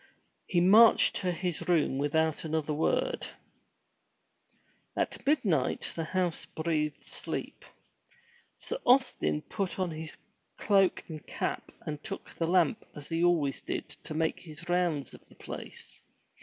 He marched to his room without another word. At midnight the house breathed sleep. Sir Austin put on his cloak and cap and took the lamp as he always did to make his rounds of the place.